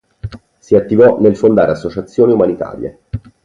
Si attivò nel fondare associazioni umanitarie.